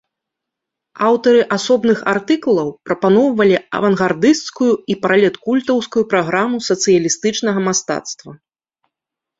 Аўтары асобных артыкулаў прапаноўвалі авангардысцкую і пралеткультаўскую праграму сацыялістычнага мастацтва.